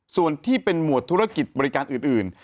ส่วนที่เป็นหมวดธุรกิจบริการอื่น